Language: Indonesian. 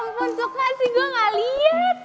ya ampun suka sih gue gak liat